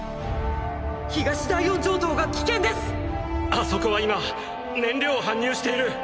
あそこは今燃料を搬入している！！